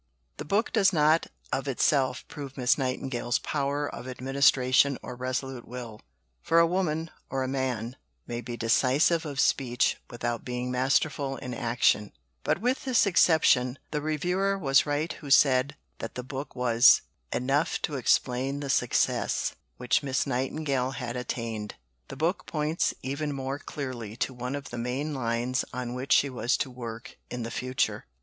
The book does not of itself prove Miss Nightingale's power of administration or resolute will; for a woman, or a man, may be decisive of speech without being masterful in action; but with this exception the reviewer was right who said that the book was "enough to explain the success" which Miss Nightingale had attained. The book points even more clearly to one of the main lines on which she was to work in the future.